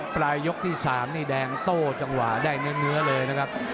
ครับผู้ชมปลายยก๓นี่แดงโต่จังหวะได้เนื้อเลยนะครับ